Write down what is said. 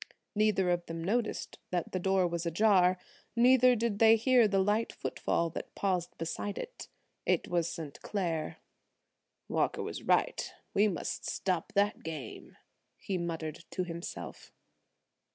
Neither of them noticed that the door was ajar; neither did they hear the light footfall that paused beside it. It was St. Clair. "Walker was right. We must stop that game," he muttered to himself.